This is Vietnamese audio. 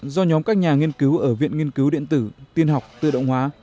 do nhóm các nhà nghiên cứu ở viện nghiên cứu điện tử tiên học tự động hóa